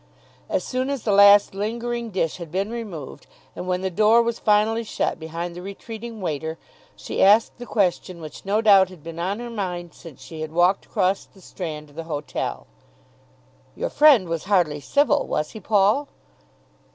As soon as the last lingering dish had been removed, and when the door was finally shut behind the retreating waiter, she asked the question which no doubt had been on her mind since she had walked across the strand to the hotel. "Your friend was hardly civil; was he, Paul?"